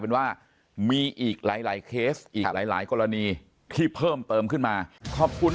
เป็นว่ามีอีกหลายเคสอีกหลายหลายกรณีที่เพิ่มเติมขึ้นมาขอบคุณ